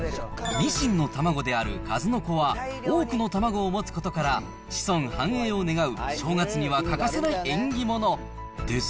ニシンの卵である数の子は多くの卵を持つことから、子孫繁栄を願う正月には欠かせない縁起物。